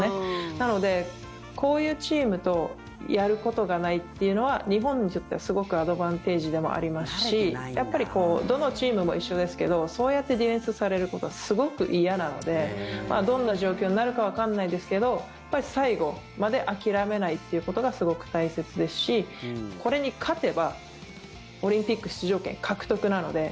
なので、こういうチームとやることがないというのは日本にとっては、すごくアドバンテージでもありますしどのチームも一緒ですけどそうやってディフェンスされることはすごく嫌なのでどんな状況になるかわからないですけど最後まで諦めないっていうことがすごく大切ですしこれに勝てばオリンピック出場権獲得なので。